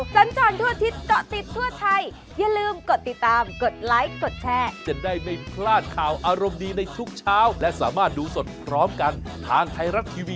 โปรดติดตามตอนต่อไป